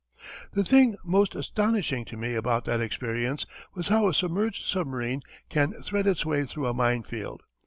The thing most astonishing to me about that experience was how a submerged submarine can thread its way through a mine field.